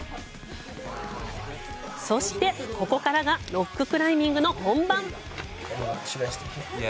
そして、ここからがロッククライミングの本番。